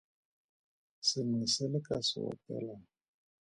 Sengwe se le ka se opelang.